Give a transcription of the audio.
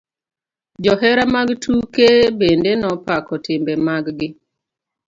Johera mag tuke bende nepako timbe mag gi.